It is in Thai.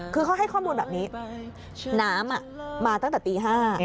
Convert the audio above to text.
คือเขาให้ข้อมูลแบบนี้น้ำมาตั้งแต่ตี๕